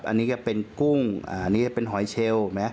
อันนี้ก็เป็นกุ้งอันนี้จะเป็นหอยเชล